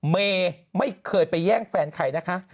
เมย์ไม่เคยไปแย่งแฟนใครนะคะ